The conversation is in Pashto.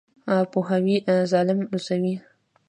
پوهاوی ظالم لوڅوي.